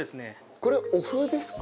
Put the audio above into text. これお麩ですか？